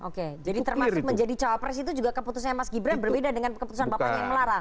oke jadi termasuk menjadi cawapres itu juga keputusannya mas gibran berbeda dengan keputusan bapaknya yang melarang